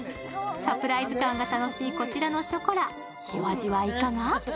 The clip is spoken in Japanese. サプライズ感が楽しいこちらのショコラ、お味はいかが？